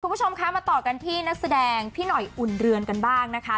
คุณผู้ชมคะมาต่อกันที่นักแสดงพี่หน่อยอุ่นเรือนกันบ้างนะคะ